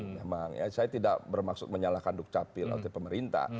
memang ya saya tidak bermaksud menyalahkan dukcapil atau pemerintah